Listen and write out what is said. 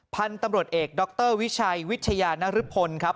พันธุ์ตำรวจเอกดรวิชัยวิทยานรพลครับ